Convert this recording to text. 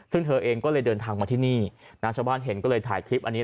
ซึ่งเธอเองก็เลยเดินทางมาที่นี่นะชาวบ้านเห็นก็เลยถ่ายคลิปอันนี้